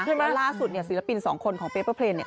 เพราะว่าล่าสุดเนี่ยศิลปินสองคนของเปเปอร์เพลงเนี่ย